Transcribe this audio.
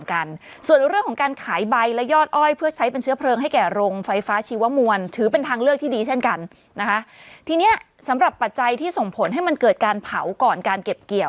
แต่ก็มันก็จะมีข้อดีข้อเสียคือ